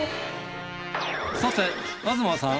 さて東さん。